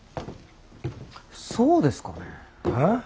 そうですかね。ああ？